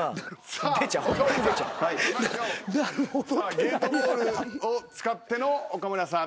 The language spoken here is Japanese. ゲートボールを使っての岡村さん